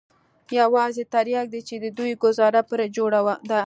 يوازې ترياک دي چې د دوى گوزاره پرې جوړه ده.